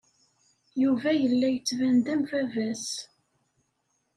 Yuba yella yettban-d am baba-s.